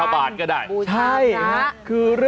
ว้าว